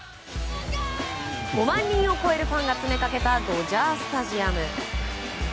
５万人を超えるファンが詰めかけたドジャースタジアム。